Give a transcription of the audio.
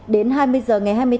đến hai mươi h ngày hai mươi một h